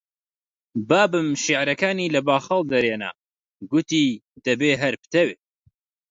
بابم شیعرەکانی لە باخەڵ دەرێنا، گوتی: دەبێ هەر بتەوێ